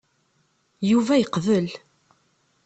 Yuba yeqbel.